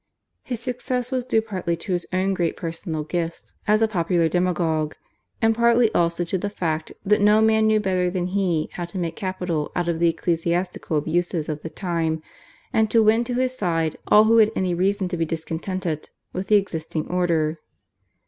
His success was due partly to his own great personal gifts as a popular demagogue, and partly also to the fact that no man knew better than he how to make capital out of the ecclesiastical abuses of the time, and to win to his side all who had any reason to be discontented with the existing order.